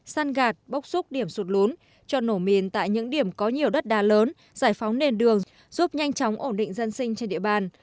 săn gạt bốc xúc điểm sụt lún cho nổ mìn tại những điểm có nhiều đất đá lớn giải phóng nền đường giúp nhanh chóng ổn định dân sinh trên địa bàn